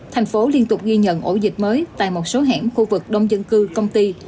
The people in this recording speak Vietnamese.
thành phố liên tục ghi nhận ổ dịch mới tại một số hẻm khu vực đông dân cư công ty